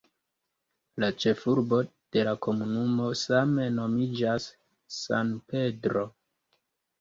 La ĉefurbo de la komunumo same nomiĝas "San Pedro".